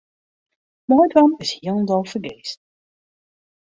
Meidwaan is hielendal fergees.